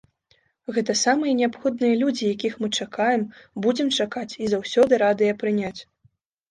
Гэта самыя неабходныя людзі, якіх мы чакаем, будзем чакаць і заўсёды радыя прыняць!